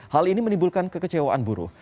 hal ini menimbulkan kekecewaan buruh